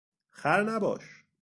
خر نباش!